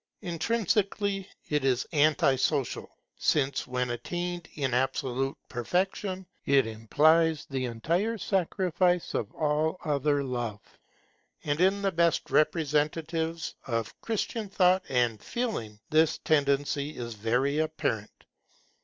Intrinsically, it is anti social, since, when attained in absolute perfection, it implies the entire sacrifice of all other love. And in the best representatives of Christian thought and feeling, this tendency is very apparent.